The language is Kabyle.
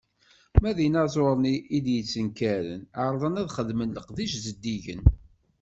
Ma d inaẓuren i d-yettenkaren, ɛerrḍen ad xedmen leqdic zeddigen.